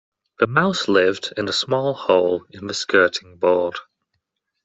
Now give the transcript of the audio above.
The mouse lived in a small hole in the skirting board